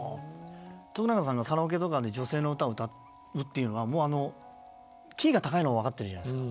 永さんがカラオケとかで女性の歌を歌うっていうのはもうあのキーが高いのは分かってるじゃないですか。